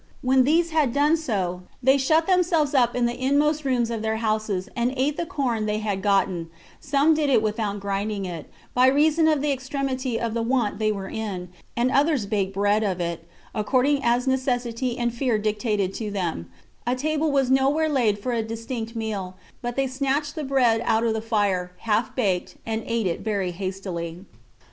When these had so done, they shut themselves up in the inmost rooms of their houses, and ate the corn they had gotten; some did it without grinding it, by reason of the extremity of the want they were in, and others baked bread of it, according as necessity and fear dictated to them: a table was no where laid for a distinct meal, but they snatched the bread out of the fire, half baked, and ate it very hastily.